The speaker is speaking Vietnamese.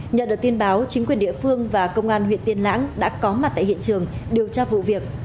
nhận được tin báo chính quyền địa phương và công an huyện tiên lãng đã có mặt tại hiện trường điều tra vụ việc